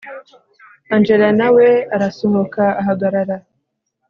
angella nawe arasohoka ahagarara